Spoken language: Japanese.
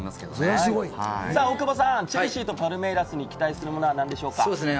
大久保さん、チェルシーとパルメイラスに期待することは何でしょうか？